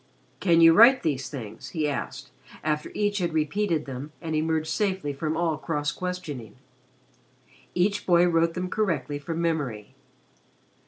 "Can you write these things?" he asked, after each had repeated them and emerged safely from all cross questioning. Each boy wrote them correctly from memory.